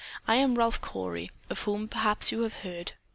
I am Ralph Cory, of whom, perhaps, you have heard."